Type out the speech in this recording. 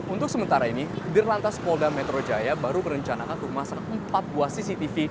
untuk sementara ini dir lantas polda metro jaya baru berencanakan untuk memasang empat buah cctv